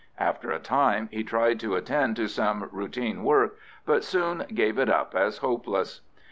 After a time he tried to attend to some routine work, but soon gave it up as hopeless.